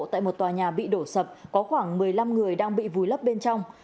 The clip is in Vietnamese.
tại một tòa nhà bị đổ sập có khoảng một mươi năm người đang bị vùi lấp bên trong